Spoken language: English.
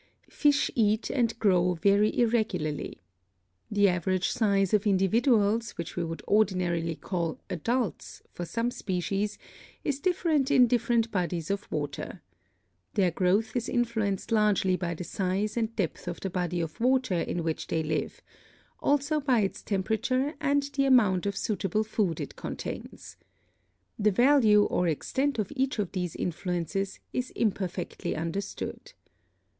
Fish eat and grow very irregularly. The average size of individuals, which we would ordinarily call adults, for some species, is different in different bodies of water. Their growth is influenced largely by the size and depth of the body of water in which they live, also by its temperature and the amount of suitable food it contains. The value or extent of each of these influences is imperfectly understood.